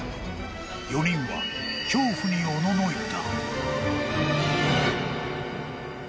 ［４人は恐怖におののいた］